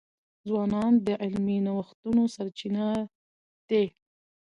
ځوانان د علمي نوښتونو سرچینه دي.